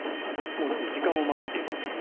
時間を待っているという。